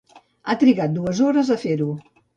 Han trigat dues hores a fer-ho.